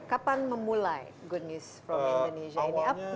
kapan memulai good news from indonesia ini